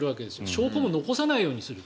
証拠も残さないようにする。